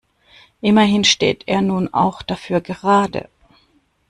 Immerhin steht er nun auch dafür gerade.